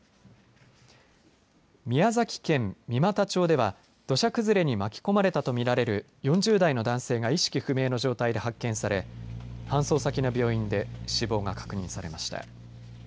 宮崎県三股町では土砂崩れに巻き込まれたと見られる４０代の男性が意識不明の重体で発見され搬送先の病院で死亡が確認されました。